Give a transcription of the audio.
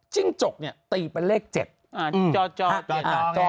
จิ้งจกเนี่ยตีเป็นเลข๗